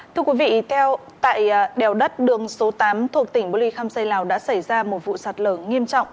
thưa quý vị theo tại đèo đất đường số tám thuộc tỉnh bô ly khăm xây lào đã xảy ra một vụ sạt lở nghiêm trọng